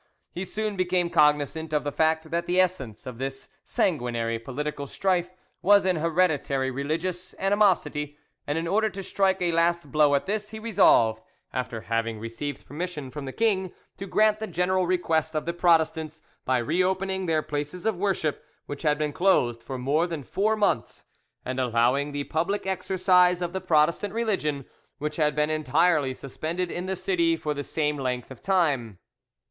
He soon became cognisant of the fact that the essence of this sanguinary political strife was an hereditary religious animosity, and in order to strike a last blow at this, he resolved, after having received permission from the king, to grant the general request of the Protestants by reopening their places of worship, which had been closed for more than four months, and allowing the public exercise of the Protestant religion, which had been entirely suspended in the city for the same length of time.